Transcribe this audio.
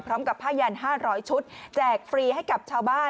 พร้อมกับผ้ายัน๕๐๐ชุดแจกฟรีให้กับชาวบ้าน